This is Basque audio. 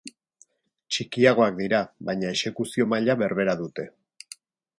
Txikiagoak dira, baina exekuzio-maila berbera dute.